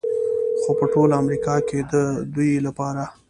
خو په ټول امریکا کې د دوی لپاره